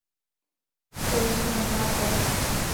Rostlina nemá palisty.